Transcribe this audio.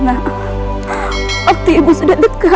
waktu ibu sudah dekat